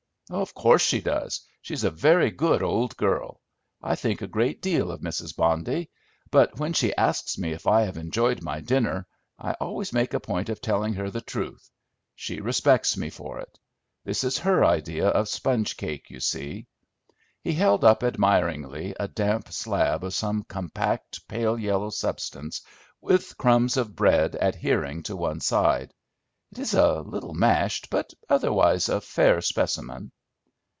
"Of course she does; she is a very good old girl. I think a great deal of Mrs. Bondy; but when she asks me if I have enjoyed my dinner, I always make a point of telling her the truth; she respects me for it. This is her idea of sponge cake, you see." He held up admiringly a damp slab of some compact pale yellow substance, with crumbs of bread adhering to one side. "It is a little mashed, but otherwise a fair specimen."